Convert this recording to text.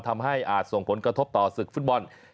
อาจส่งผลกระทบต่อศึกฟุตบอล